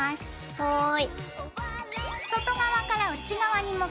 はい。